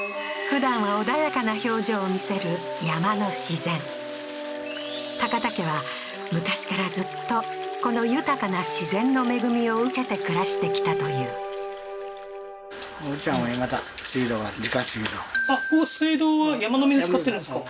ふだんは穏やかな表情を見せる山の自然高田家は昔からずっとこの豊かな自然の恵みを受けて暮らしてきたという使ってるんですか？